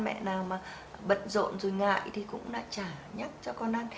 mẹ nào mà bật rộn rồi ngại thì cũng đã trả nhắc cho con ăn